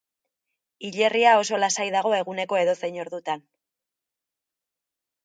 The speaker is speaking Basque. Hilerria oso lasai dago eguneko edozein ordutan.